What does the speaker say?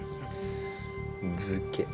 漬け。